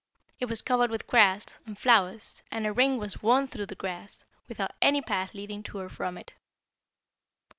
It was covered with grass, and flowers, and a ring was worn through the grass, without any path leading to or from it.